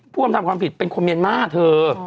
ผู้อำทำความผิดเป็นคนเมียนมาร์เธอ